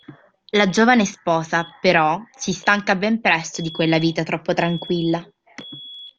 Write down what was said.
La giovane sposa, però, si stanca ben presto di quella vita troppo tranquilla.